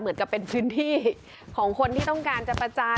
เหมือนจะเป็นพื้นที่ของคนที่ต้องการจะประจาน